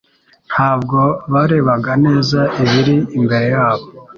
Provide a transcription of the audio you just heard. Ntabwo barebaga neza ibiri imbere yabo.